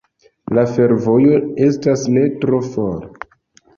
La fervojo estas ne tro for.